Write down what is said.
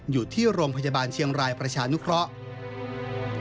อยู่ที่โรงพยาบาลเชียงรายประชานุเคราะห์